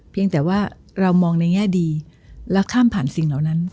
เพียงแต่ว่าเรามองในแง่ดีแล้วข้ามผ่านสิ่งเหล่านั้น